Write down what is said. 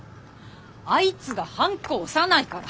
あいつがハンコ押さないから。